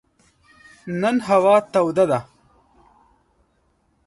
نن هوا توده ده.